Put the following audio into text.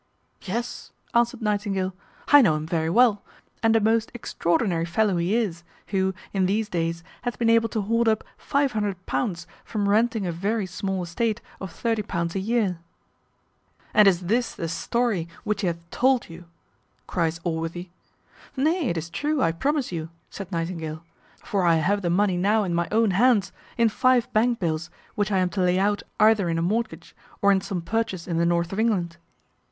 "Yes," answered Nightingale, "I know him very well, and a most extraordinary fellow he is, who, in these days, hath been able to hoard up £500 from renting a very small estate of £30 a year." "And is this the story which he hath told you?" cries Allworthy. "Nay, it is true, I promise you," said Nightingale, "for I have the money now in my own hands, in five bank bills, which I am to lay out either in a mortgage, or in some purchase in the north of England."